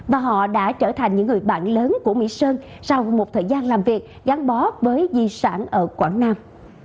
và họ đã trở thành những người bạn lớn của mỹ sơn sau một thời gian làm việc gắn bó với di sản ở quảng nam